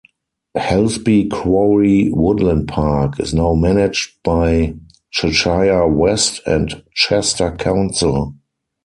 'Helsby Quarry Woodland Park' is now managed by Cheshire West and Chester Council.